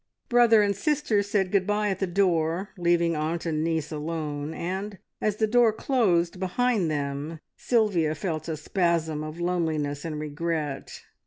Brother and sister said good bye at the door, leaving aunt and niece alone, and, as the door closed behind them, Sylvia felt a spasm of loneliness and regret.